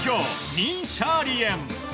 ニーシャーリ・エン。